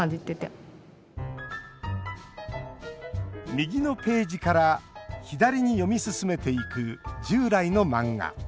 右のページから左に読み進めていく従来の漫画。